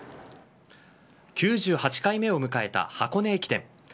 ９８回目を迎えた箱根駅伝。